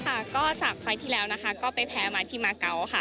ค่ะก็จากไฟล์ที่แล้วนะคะก็ไปแพ้มาที่มาเกาะค่ะ